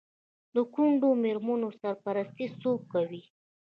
د کونډو میرمنو سرپرستي څوک کوي؟